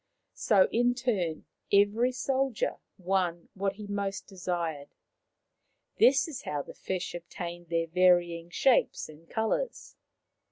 So, in turn, every soldier won what he most desired. This is how the fish obtained their varying shapes and colours.